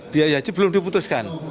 biaya haji belum diputuskan